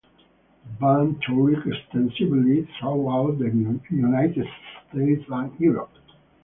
The band toured extensively throughout the United States and Europe.